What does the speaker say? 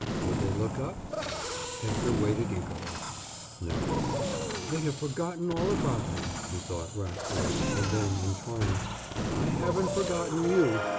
Would they look up? Edgar waited eagerly. No. "They have forgotten all about me," he thought wrathfully, and then, in triumph, "but I haven't forgotten you.